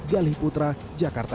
gali putra jakarta